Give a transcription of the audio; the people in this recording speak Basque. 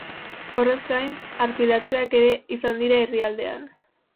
Horrez gain, arpilatzeak ere izan dira herrialdean.